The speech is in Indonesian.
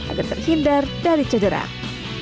agar terhindar dari cederaan